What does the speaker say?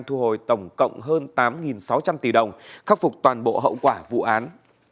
thu hồi tổng cộng hơn tám sáu trăm linh tỷ đồng khắc phục toàn bộ hậu quả vụ án